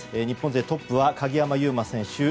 日本勢トップは鍵山優真選手